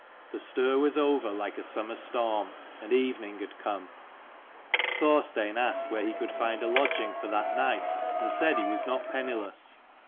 The stir was over like a summer storm, and evening had come. Thorstein asked where he could find a lodging for that night, and said he was not penniless.